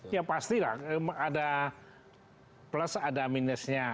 ya pasti lah ada plus ada minusnya